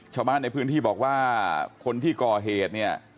ชาวบ้านในพื้นที่บอกว่าคนที่ก่อเหตุเนี่ย